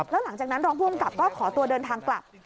แล้วหลังจากนั้นรองผู้กำกับก็ขอตัวเดินทางกลับ